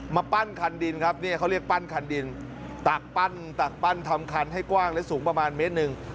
มาปั้นคันดินครับเนี่ยเขาเรียกปั้นคันดินตักปั้นตักปั้นทำคันให้กว้างและสูงประมาณเมตรหนึ่ง